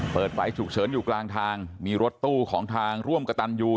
เปิดไฟฉุกเฉินอยู่กลางทางมีรถตู้ของทางร่วมกระตันยู